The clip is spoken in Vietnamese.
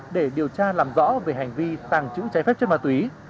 để điều tra làm rõ về hành vi tàng trữ trái phép chất ma túy